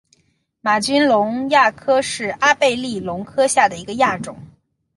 玛君龙亚科是阿贝力龙科下的一个亚科。